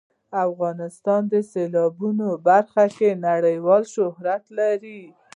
افغانستان د سیلابونه په برخه کې نړیوال شهرت لري.